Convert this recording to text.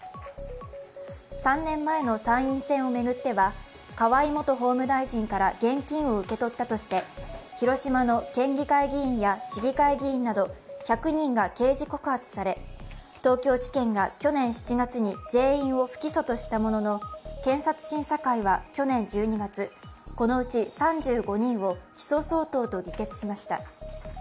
３年前の参院選を巡っては河井元法務大臣から現金を受け取ったとして広島の県議会議員や市議会議員など１００人が刑事告発され、東京地検が去年７月に全員を不起訴としたものの検察審査会は去年１２月このうち３５人を起訴相当と議決しました。